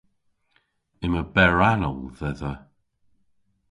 Yma berranal dhedha.